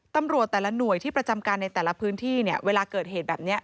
ตำรวจแต่ละหน่วยที่ประจำการในแต่ละพื้นที่เนี่ยเวลาเกิดเหตุแบบนี้